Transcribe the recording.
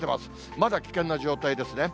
まだ危険な状態ですね。